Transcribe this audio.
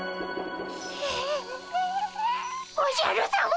おじゃるさま。